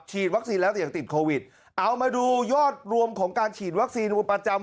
วัคซีนแล้วแต่ยังติดโควิดเอามาดูยอดรวมของการฉีดวัคซีนประจำ